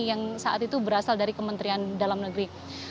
yang saat itu berasal dari kementerian dalam negeri